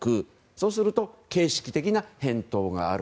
そうすると形式的な返答がある。